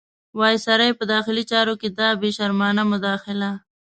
وایسرا په داخلي چارو کې دا بې شرمانه مداخله.